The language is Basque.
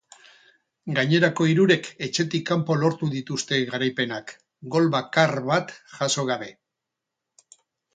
Gainerako hirurek etxetik kanpo lortu dituzte garaipenak, gol bakar bat jaso gabe.